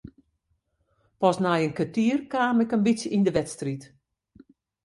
Pas nei in kertier kaam ik in bytsje yn de wedstriid.